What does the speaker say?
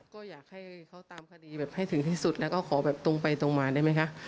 ก็อยากให้เขาตามคดีแบบให้ถึงที่สุดแล้วก็ขอแบบตรงไปตรงมาได้ไหมคะ